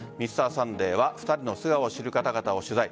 「Ｍｒ．サンデー」は２人の素顔を知る方々を取材。